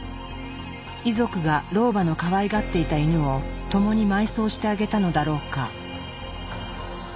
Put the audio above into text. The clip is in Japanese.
遺族が老婆のかわいがっていたイヌを共に埋葬してあげたのだろうか。